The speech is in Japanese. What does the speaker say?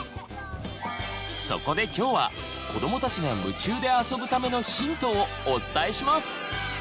そこで今日は子どもたちが夢中であそぶためのヒントをお伝えします！